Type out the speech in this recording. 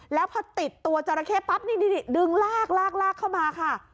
แล้วพอติดตัวจราเข้ปั๊บนี่ดึงลากลากเข้ามาค่ะ